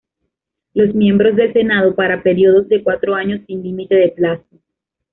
Los miembros del Senado para periodos de cuatro años sin límite de plazo.